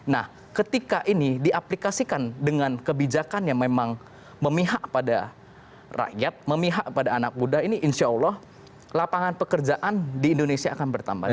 nah ketika ini diaplikasikan dengan kebijakan yang memang memihak pada rakyat memihak pada anak muda ini insya allah lapangan pekerjaan di indonesia akan bertambah